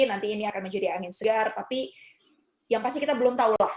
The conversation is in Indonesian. nanti ini akan menjadi angin segar tapi yang pasti kita belum tahu lah